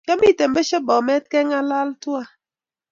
Kiamiten pesho bomet kengalalak tuan